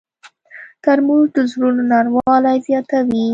ترموز د زړونو نرموالی زیاتوي.